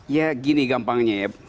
ya gini gampangnya ya